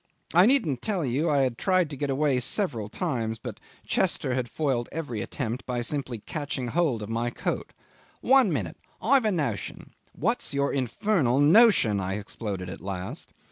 I needn't tell you I had tried to get away several times, but Chester had foiled every attempt by simply catching hold of my coat. "One minute. I've a notion." "What's your infernal notion?" I exploded at last.